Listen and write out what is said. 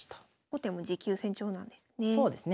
後手も持久戦調なんですね。